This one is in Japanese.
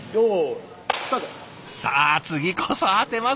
さあ次こそ当てますよ！